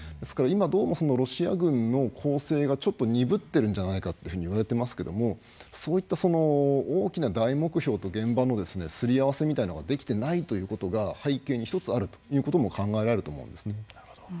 ですから今どうもロシア軍の攻勢が鈍ってるんじゃないかといわれていますけどもそういった大きな大目標と現場のすり合わせができていないということが背景に１つあるということも考えられると思うんですね。